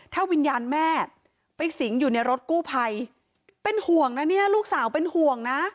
ถ้าวิญญาณแม่ไปสิงอยู่ในรถกู้ภัยเป็นห่วงนะเนี่ยลูกสาวเป็นห่วงนะ